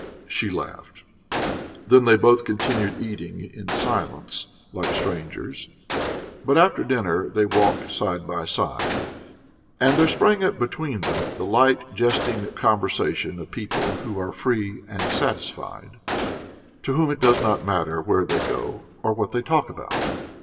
She laughed. Then both continued eating in silence, like strangers, but after dinner they walked side by side; and there sprang up between them the light jesting conversation of people who are free and satisfied, to whom it does not matter where they go or what they talk about.